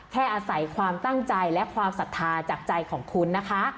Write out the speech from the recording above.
แค่อาศัยความตั้งใจและความศรัทธาจากใจของคุณนะคะ